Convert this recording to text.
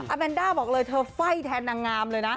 แมนด้าบอกเลยเธอไฟ่แทนนางงามเลยนะ